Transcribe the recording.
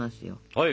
はい。